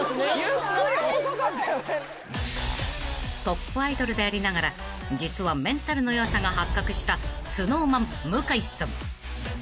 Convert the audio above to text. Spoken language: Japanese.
［トップアイドルでありながら実はメンタルの弱さが発覚したＳｎｏｗＭａｎ向井さん］